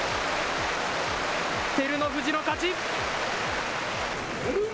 照ノ富士の勝ち。